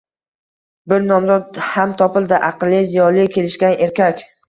Bir nomzod ham topildi, aqlli, ziyoli, kelishgan erkak